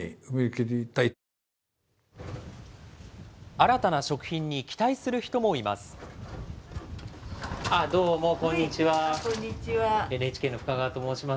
新たな食品に期待する人もいます。